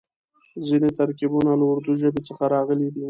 ځينې ترکيبونه له اردو ژبې څخه راغلي دي.